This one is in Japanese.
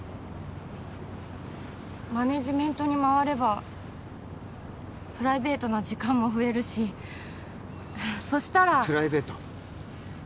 マネジメントにまわればプライベートな時間も増えるしそしたらプライベート？